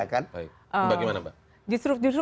kan baik bagaimana mbak justru justru